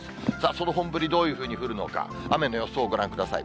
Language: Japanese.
その本降り、どういうふうに降るのか、雨の予想をご覧ください。